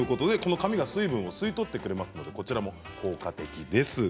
紙が水分を吸い取ってくれますので効果的です。